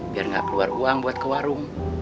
biar nggak keluar uang buat ke warung